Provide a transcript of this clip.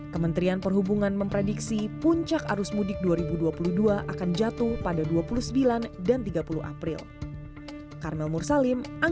kementerian perhubungan memprediksi puncak arus mudik dua ribu dua puluh dua akan jatuh pada dua puluh sembilan dan tiga puluh april